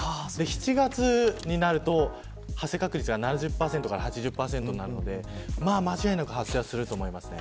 ７月になると発生確率が７０％から８０％なので間違いなく発生すると思います。